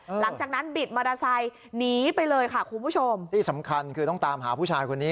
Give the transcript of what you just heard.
หลังจากนั้นบิดมอเตอร์ไซค์หนีไปเลยค่ะคุณผู้ชมที่สำคัญคือต้องตามหาผู้ชายคนนี้